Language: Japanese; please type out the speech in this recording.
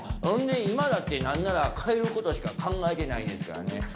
ほんで今だって何なら帰ることしか考えてないですからね。